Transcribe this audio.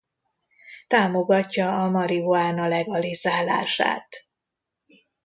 Támogatja a marihuána legalizálását.